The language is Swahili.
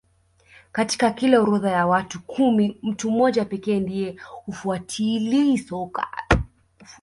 Katika kila orodha ya watu kumi mtu mmoja pekee ndiye hafuatilii soka